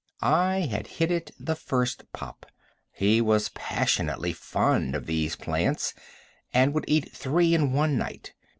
I had hit it the first pop. He was passionately fond of these plants, and would eat three in one night.